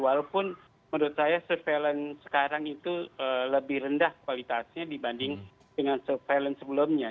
walaupun menurut saya surveillance sekarang itu lebih rendah kualitasnya dibanding dengan surveillance sebelumnya